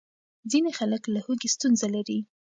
ځینې خلک له هوږې ستونزه لري.